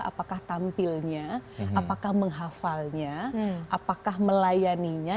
apakah tampilnya apakah menghafalnya apakah melayaninya